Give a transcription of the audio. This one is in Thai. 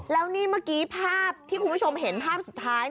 แล้วนี่เมื่อกี้ภาพที่คุณผู้ชมเห็นภาพสุดท้าย